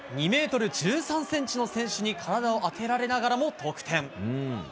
２ｍ１３ｃｍの選手に体を当てられながらも得点。